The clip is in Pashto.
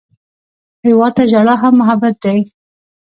هېواد ته ژړا هم محبت دی